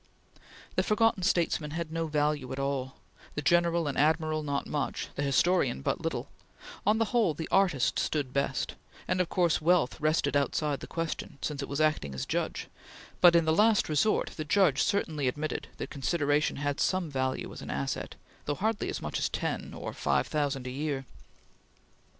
The forgotten statesman had no value at all; the general and admiral not much; the historian but little; on the whole, the artist stood best, and of course, wealth rested outside the question, since it was acting as judge; but, in the last resort, the judge certainly admitted that consideration had some value as an asset, though hardly as much as ten or five thousand a year.